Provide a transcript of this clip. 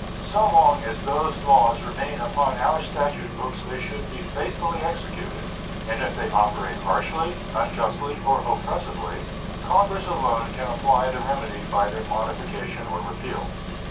So long as those laws remain upon our statute books they should be faithfully executed, and if they operate harshly, unjustly, or oppressively Congress alone can apply the remedy by their modification or repeal.